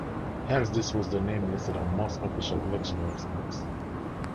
Hence, this was the name listed on most official election websites.